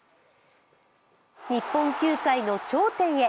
日本球界の頂点へ。